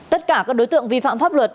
tất cả các đối tượng vi phạm pháp luật